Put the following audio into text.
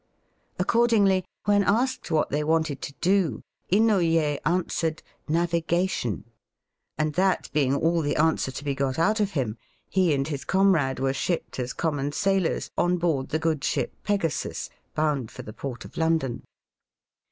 Accordingly, when asked what they wanted to do, Inouye answered, "Navigation;" and that being all the answer to be got out of him, he and his comrade were shipped as common Sailors on board the good ship Pegasus^ bound for the port of London.